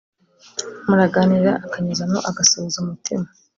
muraganira akanyuzamo agasuhuza umutima